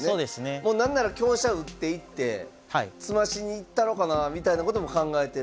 もう何なら香車を打っていって詰ましに行ったろかなみたいなことも考えてる。